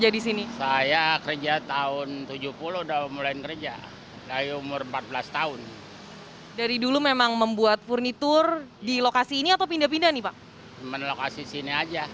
dia sudah berusia empat tahun